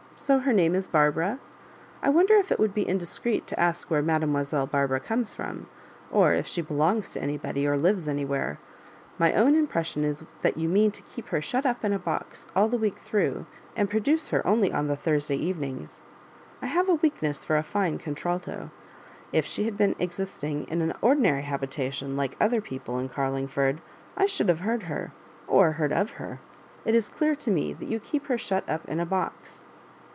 So her name is Barbara ? I wonder if it would be indiscreet to ask where Mademoiselle Barbara comes from, or if she belongs to any body, or lives anywhere. My own impression is that you mean to keep her shut up in a box all the week through, and produce her only on the Thursday evenings. I have a weakness for a fine contralto, if she had been existing in an ordinary habitation like other people in Carling ford, I should have heard her, or heard of her. It is clear to me that you keep her shut up in a box."